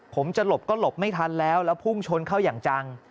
ผมจะหลบก็หลบไม่ทันแล้วแล้วพุ่งชนเข้าอย่างจัง